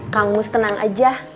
kang mus tenang aja